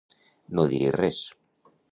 No dir-hi res.